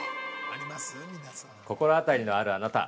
◆心当たりのあるあなた。